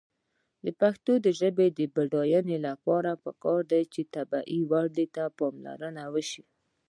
د پښتو ژبې د بډاینې لپاره پکار ده چې طبیعي وده ته پاملرنه وشي.